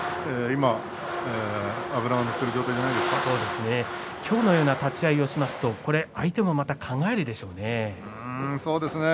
今日のような立ち合いをしますと相手もまた考えるでしょうね。